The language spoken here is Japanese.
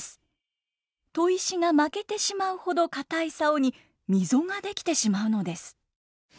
砥石が負けてしまうほど硬い棹に溝が出来てしまうのです。